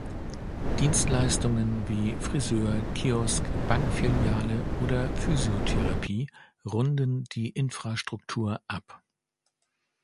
Dienstleistungen wie Friseur, Kiosk, Bankfiliale oder Physiotherapie runden die Infrastruktur ab.